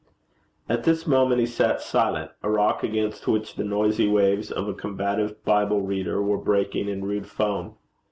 At this moment he sat silent a rock against which the noisy waves of a combative Bible reader were breaking in rude foam.